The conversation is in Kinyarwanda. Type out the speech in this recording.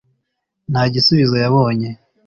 nta gisubizo yabonye